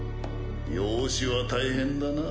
養子は大変だな。